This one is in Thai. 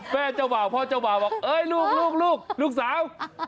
แม่เจ้าหว่าครับพ่อเจ้าหว่าว่าโอ้ยลูกลูกสาว